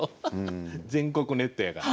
全国ネットだから。